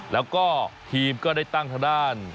แล้วก็ทีมก็ได้ตั้งทางด้าน